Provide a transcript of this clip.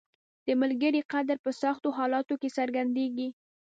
• د ملګري قدر په سختو حالاتو کې څرګندیږي.